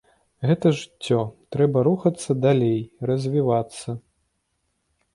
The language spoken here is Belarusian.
Гэта жыццё, трэба рухацца далей, развівацца.